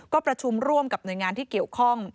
ก็ประชุมร่วมกับหน่วยงานที่เกี่ยวข้อง